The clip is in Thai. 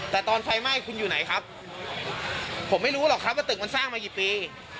แต่ตอนไฟไหม้คุณอยู่ไหนครับผมไม่รู้หรอกครับว่าตึกมันสร้างมากี่ปี